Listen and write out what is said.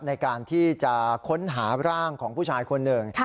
ในการที่จะค้นหาร่างของผู้ชายคนหนึ่ง